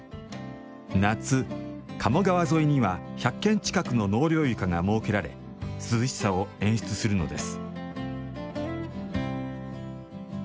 夏、鴨川沿いには１００件近くの納涼床が設けられ涼しさを演出するのです。